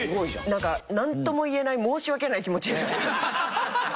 なんかなんとも言えない申し訳ない気持ちに。